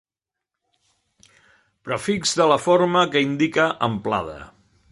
Prefix de la forma que indica amplada.